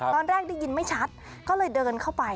ตอนแรกได้ยินไม่ชัดก็เลยเดินเข้าไป